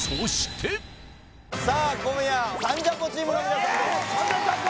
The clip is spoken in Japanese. さあ今夜サンジャポチームの皆さんです